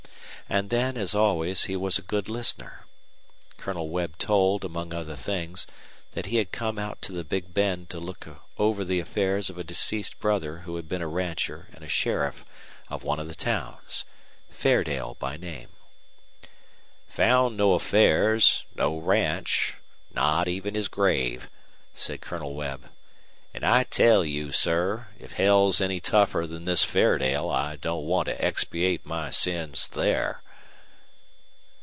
And then, as always, he was a good listener. Colonel Webb told, among other things, that he had come out to the Big Bend to look over the affairs of a deceased brother who had been a rancher and a sheriff of one of the towns, Fairdale by name. "Found no affairs, no ranch, not even his grave," said Colonel Webb. "And I tell you, sir, if hell's any tougher than this Fairdale I don't want to expiate my sins there."